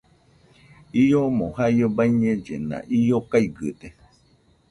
Iomo jaio baiñellena, io gaigɨde